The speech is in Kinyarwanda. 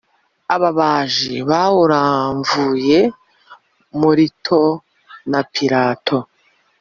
Ababaji bawuramvuye Mulito na pilato